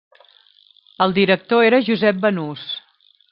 El director era Josep Banús.